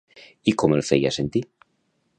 I com el feia sentir?